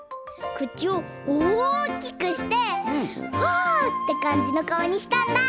くちをおおきくしてあってかんじのかおにしたんだ！